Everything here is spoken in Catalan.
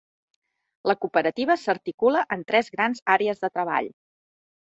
La cooperativa s'articula en tres grans àrees de treball.